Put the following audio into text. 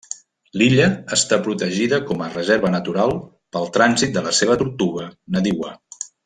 L'illa està protegida com a reserva natural pel trànsit de la seva tortuga nadiua.